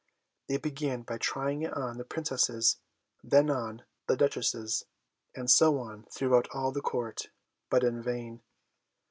They began by trying it on the Princesses, then on the Duchesses, and so on throughout all the Court; but in vain.